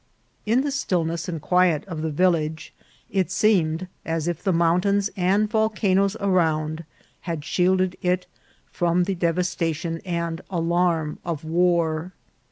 In the stillness and quiet of the village, it seemed as if the mountains and volcanoes around had shielded it from the devastation and alarm of war.